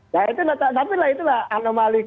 ya itu tapi lah itu lah anomali